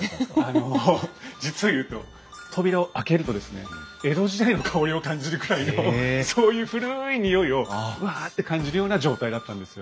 あの実を言うと扉を開けるとですね江戸時代の香りを感じるくらいのそういう古い匂いをうわって感じるような状態だったんですよ。